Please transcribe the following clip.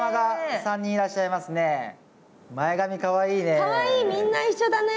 前髪かわいいね。